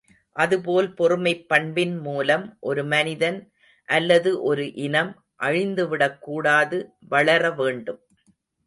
அதுபோல் பொறுமைப் பண்பின் மூலம் ஒரு மனிதன் அல்லது ஒரு இனம் அழிந்துவிடக் கூடாது வளர வேண்டும்.